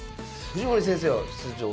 藤森先生は出場されて。